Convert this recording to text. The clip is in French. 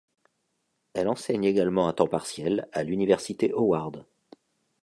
Elle enseigne également à temps partiel à l'université Howard.